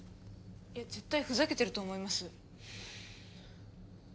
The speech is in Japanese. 絶対ふざけてると思います。